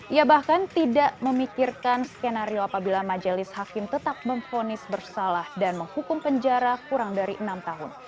ia bahkan tidak memikirkan skenario apabila majelis hakim tetap memfonis bersalah dan menghukum penjara kurang dari enam tahun